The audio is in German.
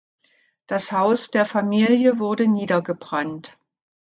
Das Haus der Familie wurde niedergebrannt.